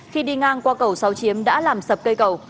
khi đi ngang qua cầu sáu chiếm đã làm sập cây cầu